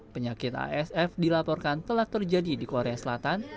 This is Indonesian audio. penyakit asf dilaporkan telah terjadi di korea selatan